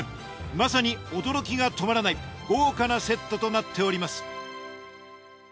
まさに驚きが止まらない豪華なセットとなっております